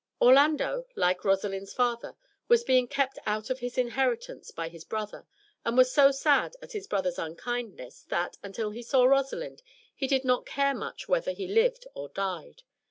Orlando, like Rosalind's father, was being kept out of his inheritance by his brother, and was so sad at his brother's unkindness that, until he saw Rosalind, he did not care much whether he lived or died.